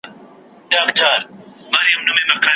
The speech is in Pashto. پل مي له باده سره ځي نن تر کاروانه نه ځي